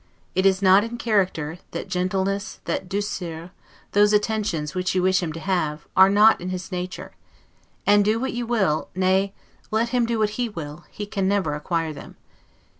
It is not in character; that gentleness, that 'douceur', those attentions which you wish him to have, are not in his nature; and do what you will, nay, let him do what he will, he can never acquire them.